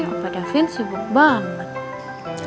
opa daphine sibuk banget